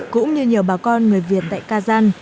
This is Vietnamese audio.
cũng như nhiều bà con người việt tại cà gian